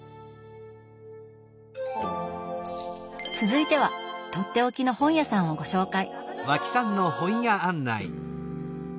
続いてはとっておきの本屋さんをご紹介。